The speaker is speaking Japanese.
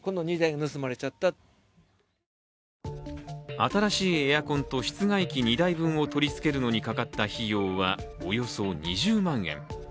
新しいエアコンと室外機２台分を取り付けるのにかかった費用はおよそ２０万円。